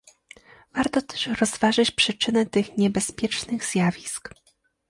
Warto też rozważyć przyczyny tych niebezpiecznych zjawisk